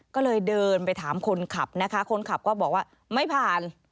ก็เลยเดินไปถามคนขับนะคะคนขับก็บอกว่าไม่ผ่าน